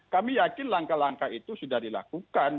kami yakin langkah langkah itu sudah dilakukan